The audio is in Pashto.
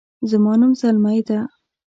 زما نوم زلمۍ ده